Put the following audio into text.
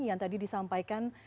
yang tadi disampaikan